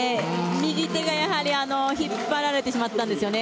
右手がやはり引っ張られてしまったんですね。